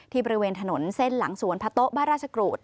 บริเวณถนนเส้นหลังสวนพะโต๊ะบ้านราชกรูด